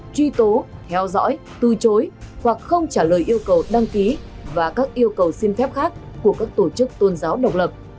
truy tố theo dõi từ chối hoặc không trả lời yêu cầu đăng ký và các yêu cầu xin phép khác của các tổ chức tôn giáo độc lập